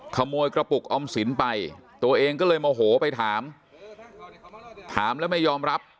ขโมยกระปุกออมสินไปตัวเองก็เลยโมโหไปถามถามแล้วไม่ยอมรับ